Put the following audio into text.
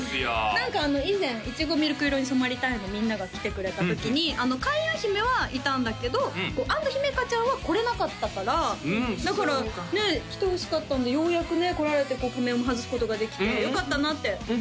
何か以前いちごみるく色に染まりたい。のみんなが来てくれた時に開運姫はいたんだけど安土姫華ちゃんは来れなかったからだからね来てほしかったんでようやくね来られてこう仮面も外すことができてよかったなってうん？